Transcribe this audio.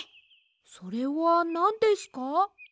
それはなんですか？